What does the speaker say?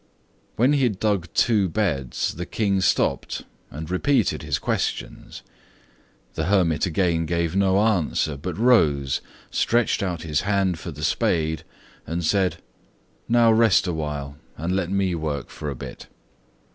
When he had dug two beds, the King stopped and repeated his questions. The hermit again gave no answer, but rose, stretched out his hand for the spade, and said: "Now rest awhile and let me work a bit."